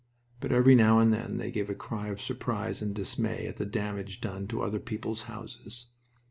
But every now and then they gave a cry of surprise and dismay at the damage done to other people's houses.